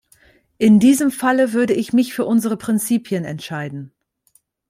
In diesem Falle würde ich mich für unsere Prinzipien entscheiden.